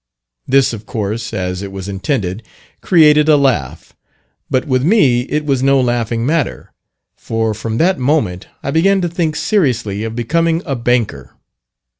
This, of course, as it was intended, created a laugh; but with me it was no laughing matter, for from that moment I began to think seriously of becoming a banker.